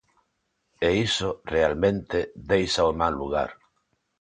E iso, realmente, déixao en mal lugar.